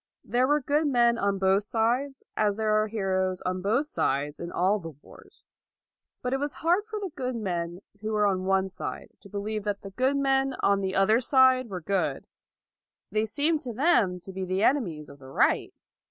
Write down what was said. There were good men on both sides, as there are heroes on both sides in all the wars. But it was hard for the good men who were on one side to believe that the good men on the other side were good: they seemed to them to be the enemies of the right.